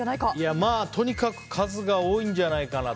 とにかく数が多いんじゃないかなと。